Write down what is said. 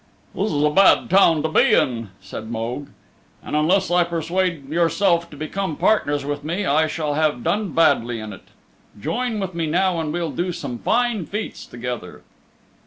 "This is a bad town to be in," said Mogue, "and unless I persuade yourself to become partners with me I shall have done badly in it. Join with me now and we'll do some fine feats together."